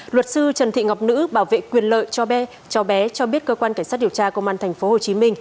luật sư trần thị ngọc nữ bảo vệ quyền lợi cho bé cháu bé cho biết cơ quan cảnh sát điều tra công an tp hcm